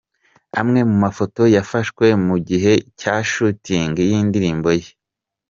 Amwe mu mafoto yafashwe mu gihe cya shooting y'indirimbo ye.